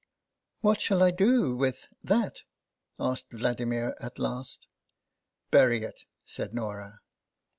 " What shall I do with— />^^/?" asked Vladimir at last. " Bury it," said Norah.